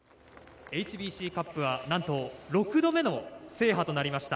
ＨＢＣカップはなんと６度目の制覇となりました。